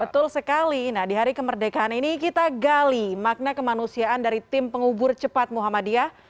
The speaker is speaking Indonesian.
betul sekali nah di hari kemerdekaan ini kita gali makna kemanusiaan dari tim pengubur cepat muhammadiyah